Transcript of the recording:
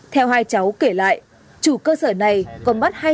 theo hai cháu kể lại chủ cơ sở này còn bắt hai